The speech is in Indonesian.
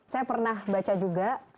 saya pernah baca juga